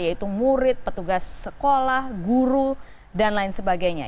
yaitu murid petugas sekolah guru dan lain sebagainya